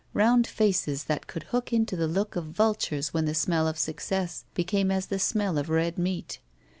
Roimd faces that could hook into the look of vultures when the smell of success became as the smell of red meat.